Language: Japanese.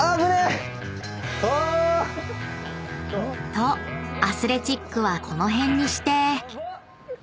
［とアスレチックはこの辺にして］